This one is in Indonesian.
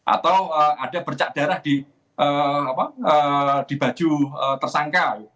atau ada bercak darah di baju tersangka